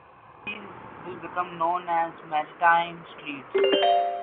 These will become known as the 'Maritime Streets'.